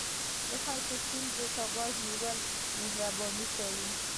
د خلکو ستونزو ته غوږ نیول مهرباني ښيي.